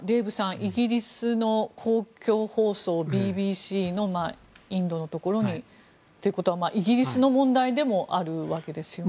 イギリスの公共放送ＢＢＣのインドのところにということはイギリスの問題でもあるわけですよね。